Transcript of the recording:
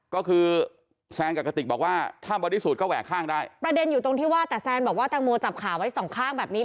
ก็คือแซนกับกระติกบอกว่าถ้าบริสุทธิ์ก็แหวกข้างได้ประเด็นอยู่ตรงที่ว่าแต่แซนบอกว่าแตงโมจับขาไว้สองข้างแบบนี้